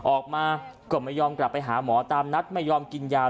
ออกมาก็ไม่ยอมกลับไปหาหมอตามนัดไม่ยอมกินยา